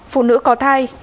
phụ nữ có thai